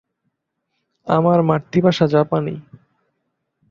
আমার মাতৃভাষা জাপানি।